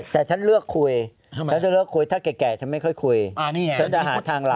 แต่ฉันเลือกคุยแล้วฉันเลือกคุยถ้าแก่ฉันไม่ค่อยคุยฉันจะหาทางเรา